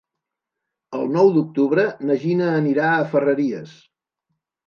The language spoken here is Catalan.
El nou d'octubre na Gina anirà a Ferreries.